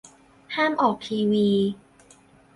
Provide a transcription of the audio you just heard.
ห้ามออกทีวี